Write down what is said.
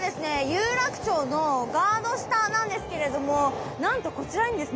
有楽町のガード下なんですけれどもなんとこちらにですね